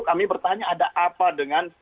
kami bertanya ada apa dengan